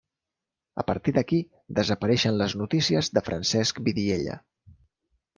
A partir d'aquí desapareixen les notícies de Francesc Vidiella.